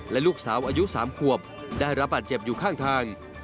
และลูกสาวอายุ๓ขวบได้รับบาดเจ็บอยู่ข้างทาง